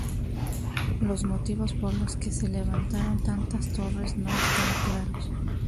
Los motivos por los que se levantaron tantas torres no están claros.